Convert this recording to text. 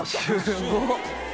すごっ！